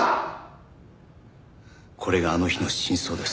これがあの日の真相です。